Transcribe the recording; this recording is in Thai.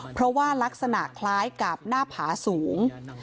เพราะว่ารักษณะคล้ายกับหน้าผาสูง